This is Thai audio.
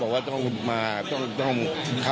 อันนี้จะต้องจับเบอร์เพื่อที่จะแข่งกันแล้วคุณละครับ